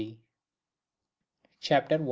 CHAPTER I.